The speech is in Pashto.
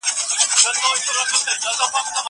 دا پوښتنه له هغه اسانه ده!